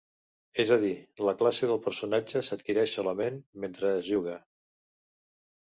És a dir, la classe del personatge s'adquireix solament mentre es juga.